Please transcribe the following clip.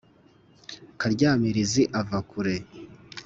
Karyamirizi ava kure